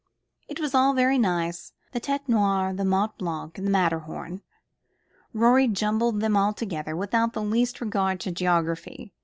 It was all very nice the Tête Noire, and Mont Blanc, and the Matterhorn. Rorie jumbled them all together, without the least regard to geography.